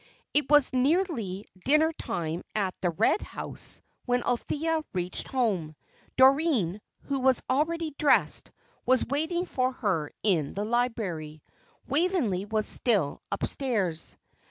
It was nearly dinner time at the Red House when Althea reached home. Doreen, who was already dressed, was waiting for her in the library. Waveney was still upstairs.